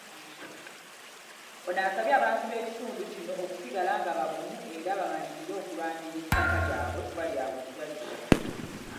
Ono asabye abantu b’ekitundu kino okusigala nga bagumu era bamalirire okulwanirira ettaka lyabwe kuba lya bujjajja.